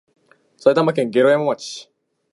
埼玉県毛呂山町